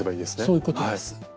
そういうことです。